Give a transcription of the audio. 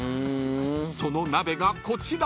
［その鍋がこちら］